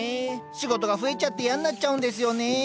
仕事が増えちゃって嫌になっちゃうんですよね